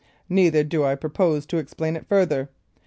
Neither do I purpose to explain it farther.